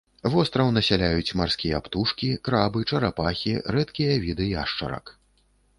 Востраў насяляюць марскія птушкі, крабы, чарапахі, рэдкія віды яшчарак.